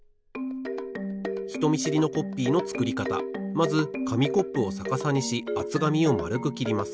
まずかみコップをさかさにしあつがみをまるくきります。